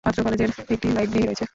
অত্র কলেজের একটি লাইব্রেরী রয়েছে।